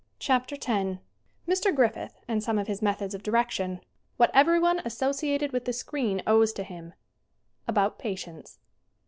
CHAPTER XI Mr. Griffith and some of his methods of direction What everyone associated with the screen owes to him About patience.